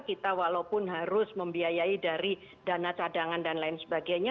kita walaupun harus membiayai dari dana cadangan dan lain sebagainya